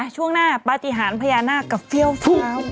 ช่วงหน้าปฏิหารพญานาคกับเฟี้ยวฟ้าว